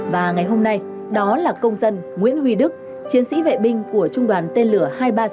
và ngày hôm nay đó là công dân nguyễn huy đức chiến sĩ vệ binh của trung đoàn tên lửa hai trăm ba mươi sáu